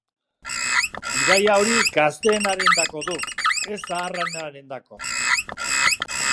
Bidaia hori gazteenarendako duk, ez zaharrenarendako.